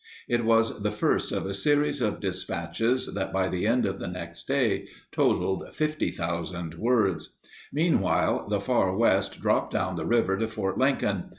It was the first of a series of dispatches that by the end of the next day totaled 50,000 words. Meanwhile, the Far West dropped down the river to Fort Lincoln.